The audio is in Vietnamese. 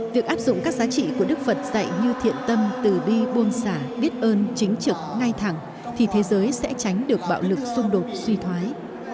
việc áp dụng các giá trị của đức phật dạy như thiện tâm từ bi buông xả biết ơn chính trực ngay thẳng thì thế giới sẽ tránh được bạo lực xung đột suy thoái